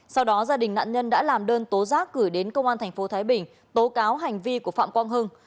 sau đó gia đình nạn nhân đã làm đơn tố giác gửi đến công an tp thái bình tố cáo hành vi của phạm quang hưng